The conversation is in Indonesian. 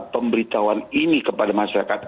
pemberitahuan ini kepada masyarakat